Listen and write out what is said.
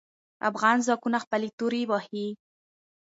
افغان ځواکونه خپلې تورو وهې.